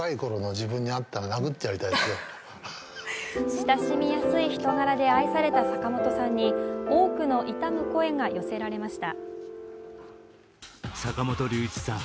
親しみやすい人柄で愛された坂本さんに多くの悼む声が寄せられました。